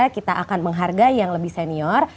kita akan menghargai yang lebih senior